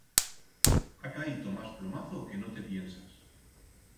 Ha caito mas plomazo que no te piensas.